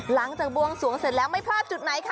หลังจากบวงสวงเสร็จแล้วไม่พลาดจุดไหนคะ